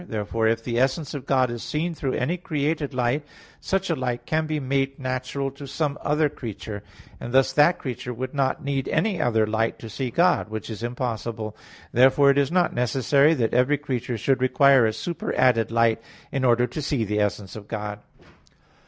Therefore if the essence of God is seen through any created light, such a light can be made natural to some other creature; and thus, that creature would not need any other light to see God; which is impossible. Therefore it is not necessary that every creature should require a superadded light in order to see the essence of God.